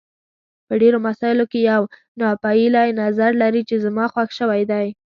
په ډېرو مسایلو کې یو ناپېیلی نظر لري چې زما خوښ شوی دی.